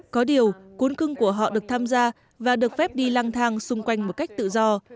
có điều cuốn cưng của họ được tham gia và được phép đi lang thang xung quanh một cách tự do